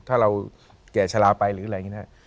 ถ้าเราแก่ชะลาไปหรืออะไรอย่างนี้นะครับ